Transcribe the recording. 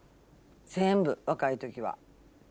全部若い時は。